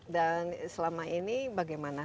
dan selama ini bagaimana